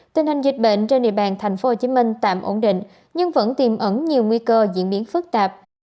tình hình dịch bệnh trên địa bàn tp hcm tạm ổn định nhưng vẫn tiềm ẩn nhiều nguy cơ diễn biến phức tạp